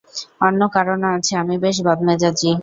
অন্য কারণও আছে, আমি বেশ বদমেজাজি।